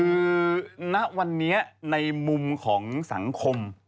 คือณวันนี้ในมุมของสังคม